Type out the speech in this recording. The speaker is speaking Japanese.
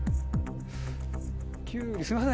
キュウリすいませんね